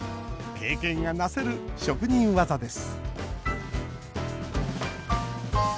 経験がなせる職人技です。